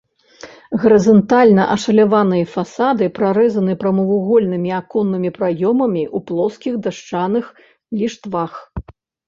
Гарызантальна ашаляваныя фасады прарэзаны прамавугольнымі аконнымі праёмамі ў плоскіх дашчаных ліштвах.